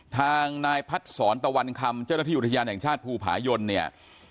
ทางนายพัดศรตะวันคำเจ้าหน้าที่อุทยานแห่งชาติภูผายนเนี่ย